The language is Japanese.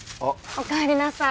おかえりなさい。